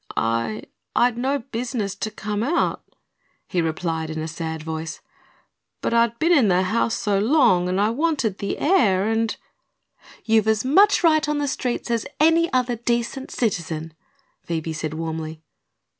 "I I'd no business to come out," he replied in a sad voice. "But I'd been in the house so long, and I wanted the air, and " "You've as much right on the streets as any other decent citizen," Phoebe said warmly.